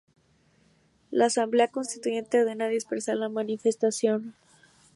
La Asamblea constituyente ordena dispersar la manifestación.